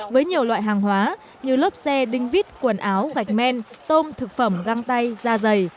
với nhiều loại hàng hóa như lớp xe đinh vít quần áo gạch men tôm thực phẩm găng tay da dày